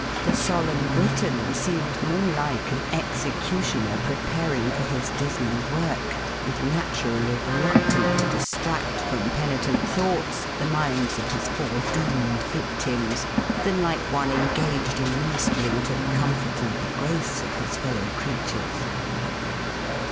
The solemn Briton seemed more like an executioner preparing for his dismal work, and naturally reluctant to distract from penitent thoughts the minds of his foredoomed victims, than like one engaged in ministering to the com fort and the grace of his fellow creatui es.